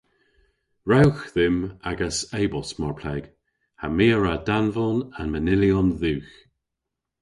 Rewgh dhymm agas e-bost mar pleg ha my a wra danvon an manylyon dhywgh.